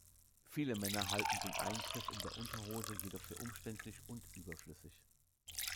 Viele Männer halten den Eingriff in der Unterhose jedoch für umständlich und überflüssig.